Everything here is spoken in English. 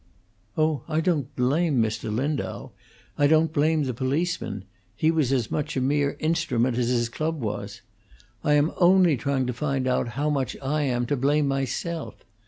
"Oh, I don't blame Mr. Lindau; I don't blame the policeman; he was as much a mere instrument as his club was. I am only trying to find out how much I am to blame myself.